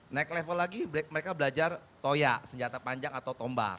naik level lagi mereka belajar toya senjata panjang atau tombak